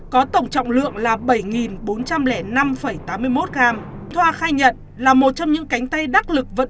có tổng trọng lượng là bảy bốn trăm linh năm tám mươi một gram thoa khai nhận là một trong những cánh tay đắc lực vận